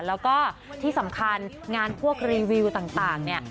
แล้วก็ที่สำคัญงานพวกรีวิวต่างเนี่ย